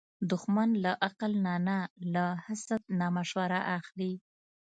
دښمن له عقل نه نه، له حسد نه مشوره اخلي